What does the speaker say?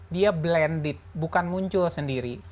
dia blended bukan muncul sendiri